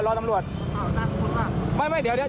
เดี๋ยวรอน้ำรวดอ๋อนั่นคุณค่ะไม่ไม่เดี๋ยวเดี๋ยว